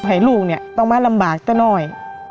ไข่ลูกต้องมารำบากแต่น้อย